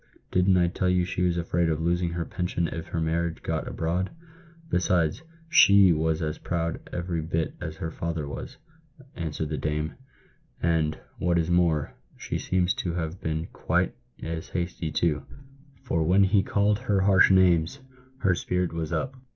Didn't I tell you she was afraid of losing her pension if her marriage got abroad ? Besides, she was as proud every bit as her father was," answered the dame ;" and, what is more, she seems to have been quite as hasty, too ; for when he called her harsh names, her spirit was up.